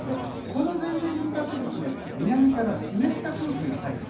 この前線に向かって南から湿った空気が入る。